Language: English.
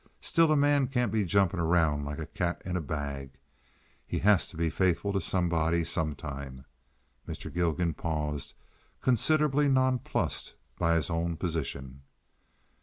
Still, a man can't be jumpin' around like a cat in a bag. He has to be faithful to somebody sometime." Mr. Gilgan paused, considerably nonplussed by his own position.